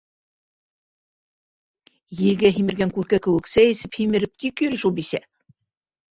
Елгә һимергән күркә кеүек, сәй эсеп һимереп тик йөрөй шул бисә.